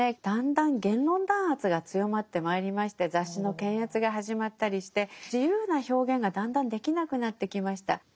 だんだん言論弾圧が強まってまいりまして雑誌の検閲が始まったりして自由な表現がだんだんできなくなってきました。